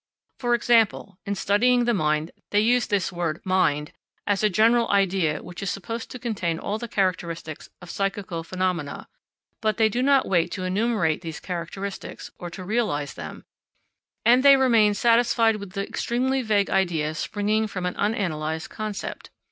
For example, in studying the mind, they use this word "mind" as a general idea which is supposed to contain all the characteristics of psychical phenomena; but they do not wait to enumerate these characteristics or to realise them, and they remain satisfied with the extremely vague idea springing from an unanalysed concept.